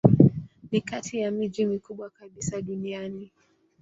Ni kati ya miji mikubwa kabisa duniani.